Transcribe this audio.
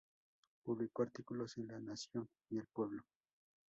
Publicó artículos en "La Nación" y "El Pueblo".